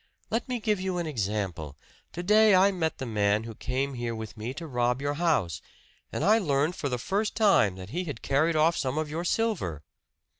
Let me give you an example. To day I met the man who came here with me to rob your house; and I learned for the first time that he had carried off some of your silver."